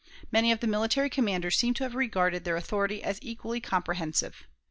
Many of the military commanders seem to have regarded their authority as equally comprehensive.